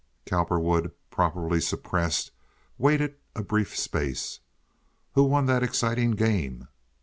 Cowperwood, properly suppressed, waited a brief space. "Who won that exciting game?"